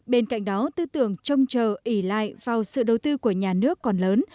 bên cạnh đó tư tưởng trông chờ ỉ lại vào sự đầu tư của nhà nước còn lớn